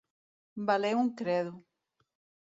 Valer un credo.